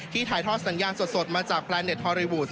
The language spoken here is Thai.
ถ่ายทอดสัญญาณสดมาจากแพลนเต็ดฮอลลีวูด